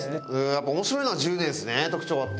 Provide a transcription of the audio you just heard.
やっぱ面白いのは１０年ですね特徴があって。